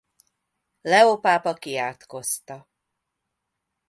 Leó pápa kiátkozta.